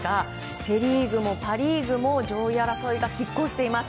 セ・リーグもパ・リーグも上位争いが拮抗しています。